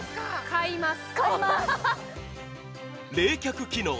買います。